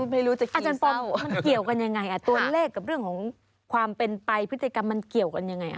อาจารย์ปอลมันเกี่ยวกันยังไงตัวเลขกับเรื่องของความเป็นไปพฤติกรรมมันเกี่ยวกันยังไง